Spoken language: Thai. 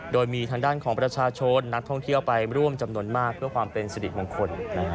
โดยมีทางด้านของประชาชนนักท่องเที่ยวไปร่วมจำนวนมากเพื่อความเป็นสิริมงคล